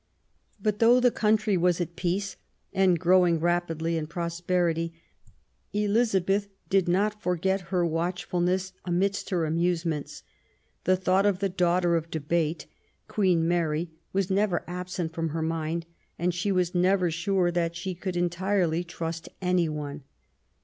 But though the country was at peace, and growing rapidly in prosperity, Elizabeth did not forget her THE EXCOMMUNICATION OF ELIZABETH. 159 watchfulness amidst her amusements. The thought of the Daughter of Debate," Queen Mary, was never absent from her mind, and she was never sure that she could entirely trust any one.